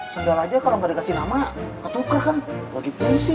sebenernya aja kalo ga dikasih nama ketuker kan lagi puisi